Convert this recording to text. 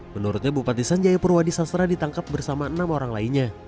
menurutnya bupati sanjaya purwadi sastra ditangkap bersama enam orang lainnya